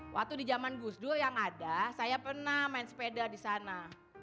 waktu di zaman gus dur yang ada saya pernah main sepeda di sana